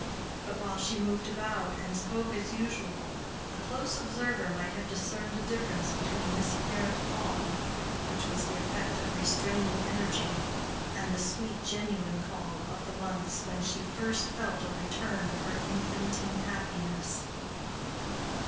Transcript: But while she moved about and spoke as usual, a close observer might have discerned a difference between this apparent calm, which was the effect of restraining energy, and the sweet genuine calm of the months when she first felt a return of her infantine happiness.